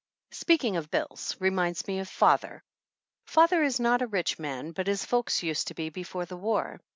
Speaking of bills reminds me of father. . Father is not a rich man, but his folks used to be before the war.